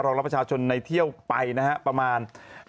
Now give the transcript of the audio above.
รับประชาชนในเที่ยวไปนะฮะประมาณ